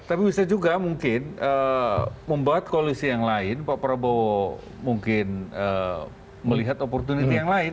tapi bisa juga mungkin membuat koalisi yang lain pak prabowo mungkin melihat opportunity yang lain